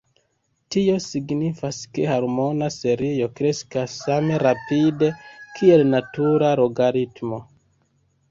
Tio signifas, ke harmona serio kreskas same rapide kiel natura logaritmo.